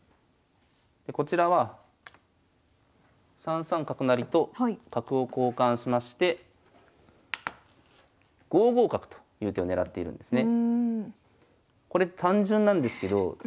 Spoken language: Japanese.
こちらは３三角成と角を交換しまして５五角という手を狙っているんですね。